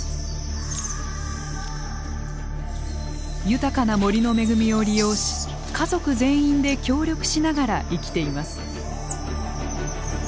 豊かな森の恵みを利用し家族全員で協力しながら生きています。